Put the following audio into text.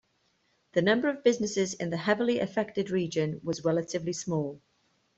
The number of businesses in the heavily affected region was relatively small.